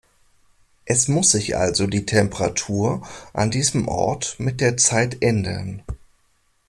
Es muss sich also die Temperatur an diesem Ort mit der Zeit ändern.